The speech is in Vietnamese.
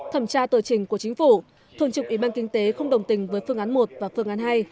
thẩm tra tờ trình của chính phủ thường trục ủy ban kinh tế không đồng tình với phương án một và phương án hai